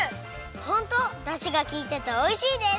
ホントだしがきいてておいしいです！